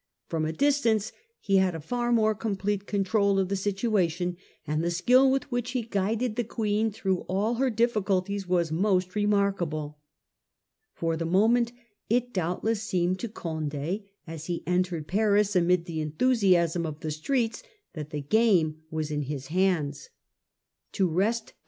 From a distance lie had a far more complete control of the situation, and the skill with which he guided the Queen through all her difficulties was most remarkable. For the moment it doubtless seemed to Conde, as he entered Paris amid the enthusiasm of the streets, that Difficulties g ame was m h is hands. To wrest the of Condi.